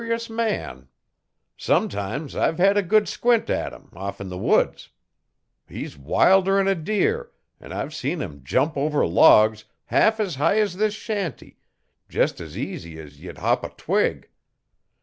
'Curus man! Sometimes I've hed a good squint at 'im off 'n the woods. He's wilder 'n a deer an' I've seen 'im jump over logs, half as high as this shanty, jest as easy as ye 'd hop a twig.